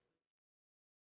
bagaimana kita bisa membuatnya